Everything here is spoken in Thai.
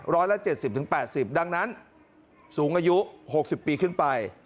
ร้อยละ๗๐๘๐ดังนั้นสูงอายุ๖๐ปีขึ้นไป